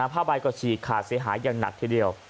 ผ้าใบก็ฉีกขาดเสียหายอย่างหนักทีเดียว